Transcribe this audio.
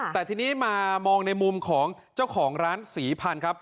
แต่ทีนี้มามองในมุมของเจ้าของร้านศรีพันธุ์ครับ